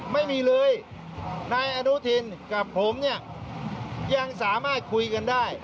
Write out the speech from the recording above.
ไม่มีเลยนายอนุทินกับผมเนี่ยยังสามารถคุยกันได้